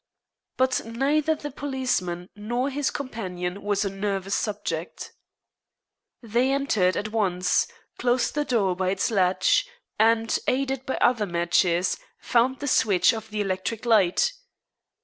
But neither the policeman nor his companion was a nervous subject. They entered at once, closed the door by its latch, and, aided by other matches, found the switch of the electric light.